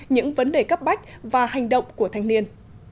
những vấn đề cấp bách và hành động của thanh niên